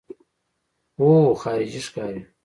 اوهو خارجۍ ښکاري.